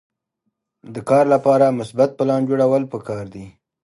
د کار لپاره مثبت پلان جوړول پکار دي.